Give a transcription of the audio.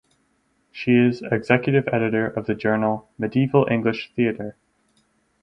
She is Executive Editor of the journal "Medieval English Theatre".